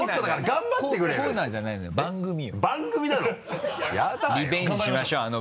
頑張りましょう！